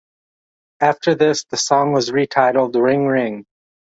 After this, the song was retitled "Ring Ring".